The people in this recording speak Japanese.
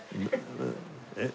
えっ？